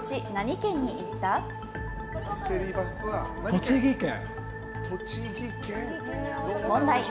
栃木県。